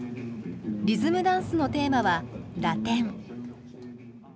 リズムダンスのテーマはラテン。